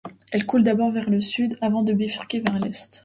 Elle coule d'abord vers le sud avant de bifurquer vers l'est.